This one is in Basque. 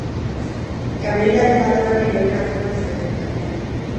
Kamioiaren barruan heroina atzeman zioten, gainera.